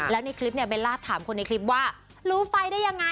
แล้วเบลล่าถามคนในคลิปว่ารู้ไฟได้ยังไง